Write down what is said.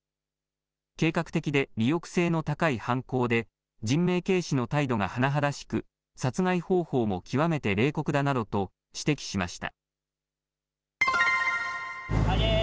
計画的で利欲性の高い犯行で、人命軽視の態度が甚だしく、殺害方法も極めて冷酷だなどと指摘しました。